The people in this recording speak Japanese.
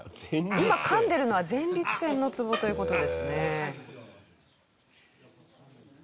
今かんでるのは前立腺のツボという事ですね。